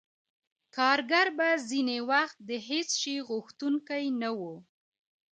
کارګر به ځینې وخت د هېڅ شي غوښتونکی نه وو